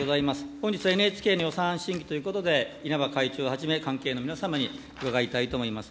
本日はＮＨＫの予算審議ということで、稲葉会長をはじめ、関係の皆様に伺いたいと思います。